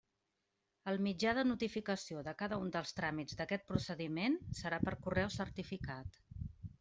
El mitjà de notificació de cada un dels tràmits d'aquest procediment serà per correu certificat.